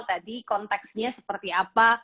tadi konteksnya seperti apa